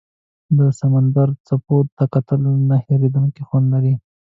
د سمندر څپو ته کتل یو نه هېریدونکی خوند لري.